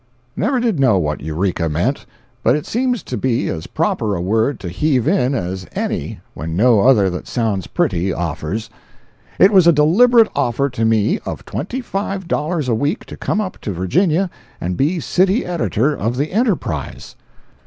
[I never did know what Eureka meant, but it seems to be as proper a word to heave in as any when no other that sounds pretty offers.] It was a deliberate offer to me of Twenty Five Dollars a week to come up to Virginia and be city editor of the Enterprise.